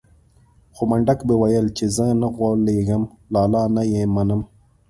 خو منډک به ويل چې زه نه غولېږم لالا نه يې منم.